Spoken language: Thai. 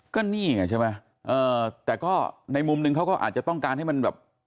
ก็นี่ไงใช่ไหมเออแต่ก็ในมุมนึงเขาก็อาจจะต้องการให้มันแบบ